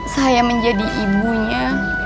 saya menjadi ibunya